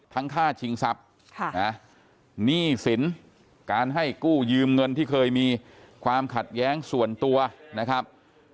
ค่าชิงทรัพย์หนี้สินการให้กู้ยืมเงินที่เคยมีความขัดแย้งส่วนตัวนะครับ